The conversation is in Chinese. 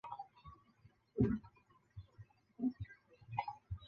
死后由齐丹塔二世继承。